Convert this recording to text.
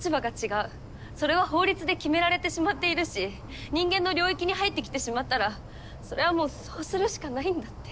それは法律で決められてしまっているし人間の領域に入ってきてしまったらそれはもうそうするしかないんだって。